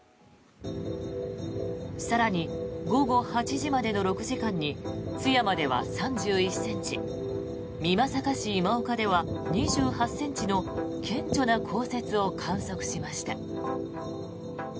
更に、午後８時までの６時間に津山では３１ｃｍ美作市今岡では２８ｃｍの顕著な降雪を観測しました。